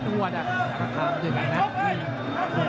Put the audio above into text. อยู่ด้านนั้นดูหนู